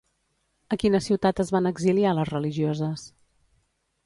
A quina ciutat es van exiliar les religioses?